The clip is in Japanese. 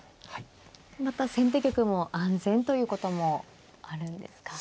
また先手玉も安全ということもあるんですか。